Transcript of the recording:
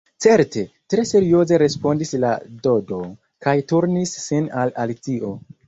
"Certe," tre serioze respondis la Dodo, kaj turnis sin al Alicio.